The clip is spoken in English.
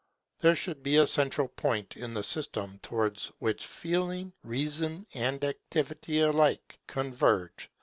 There should be a central point in the system towards which Feeling, Reason, and Activity alike converge.